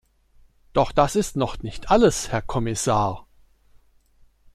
Doch das ist noch nicht alles, Herr Kommissar!